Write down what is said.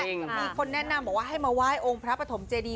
มีคนแนะนำบอกว่าให้มาไหว้องค์พระปฐมเจดี